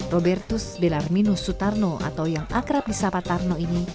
robertus belarminus sutarno atau yang akrab di sapa tarno ini